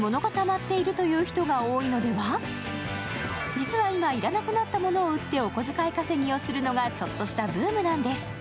実は今、要らなくなったものを売ってお小遣い稼ぎをするのがちょっとしたブームなんです。